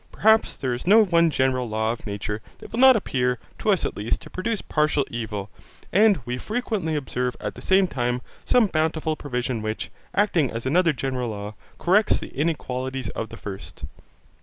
Perhaps there is no one general law of nature that will not appear, to us at least, to produce partial evil; and we frequently observe at the same time, some bountiful provision which, acting as another general law, corrects the inequalities of the first.